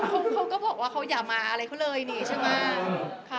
ก็เค้าก็วอกว่าเค้าอย่ามาอะไรก็เลยนี่ใช่ไหม